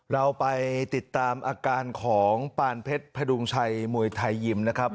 เราไปติดตามอาการของปานเพชรพดุงชัยมวยไทยยิมนะครับ